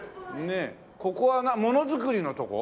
ここはものづくりのとこ？